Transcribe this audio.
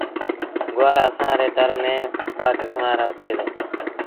گُوآر اسآݩ ري تر ميݩ ٻآ ڪسمآݩ رو ٿئي دو۔